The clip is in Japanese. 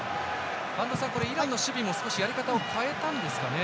播戸さん、イランの守備も少しやり方を変えたんですかね。